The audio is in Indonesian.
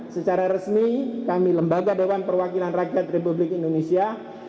secara resmi kami lembaga dewan perwakilan rakyat republik indonesia